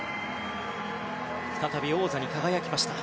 再び王座に輝きました。